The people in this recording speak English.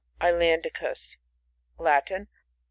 IsLANDicus. — Latin.